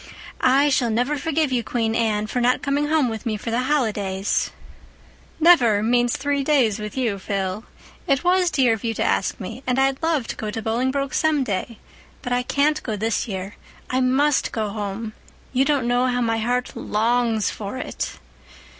I shall never forgive you, Queen Anne, for not coming home with me for the holidays." "'Never' means three days with you, Phil. It was dear of you to ask me—and I'd love to go to Bolingbroke some day. But I can't go this year—I must go home. You don't know how my heart longs for it."